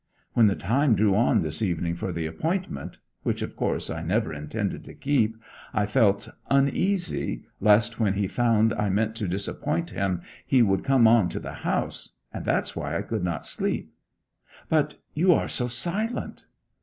When the time drew on this evening for the appointment which, of course, I never intended to keep, I felt uneasy, lest when he found I meant to disappoint him he would come on to the house; and that's why I could not sleep. But you are so silent!'